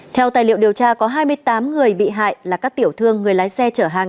theo tài liệu điều tra có hai mươi tám người bị hại là các tiểu thương người lái xe chở hàng